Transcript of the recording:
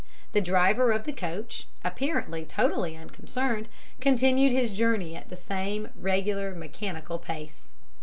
The driver of the coach, apparently totally unconcerned, continued his journey at the same regular, mechanical pace.